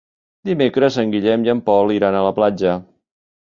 Dimecres en Guillem i en Pol iran a la platja.